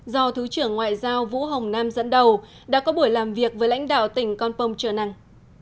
do thứ trưởng ngoại giao vũ hồng nam dẫn đầu đã có buổi làm việc với lãnh đạo tỉnh con pong trần năng